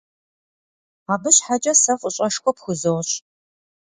Абы щхьэкӏэ сэ фӏыщӏэшхуэ пхузощ.